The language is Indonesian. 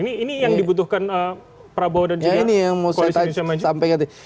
ini yang dibutuhkan prabowo dan juga koalisi indonesia maju